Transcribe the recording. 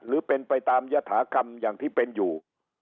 หรือเป็นไปตามยฐากรรมอย่างที่เป็นอยู่